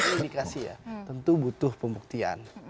ini dikasih ya tentu butuh pembuktian